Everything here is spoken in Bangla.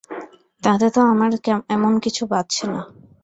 তাতে তো আমার এমন কিছু বাধছে না।